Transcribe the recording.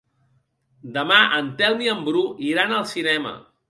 Demà en Telm i en Bru iran al cinema.